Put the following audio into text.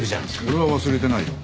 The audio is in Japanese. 俺は忘れてないよ。